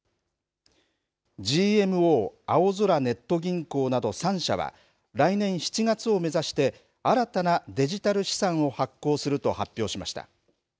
ＧＭＯあおぞらネット銀行など３社は来年７月を目指して新たなデジタル資産を発行すると発表しました。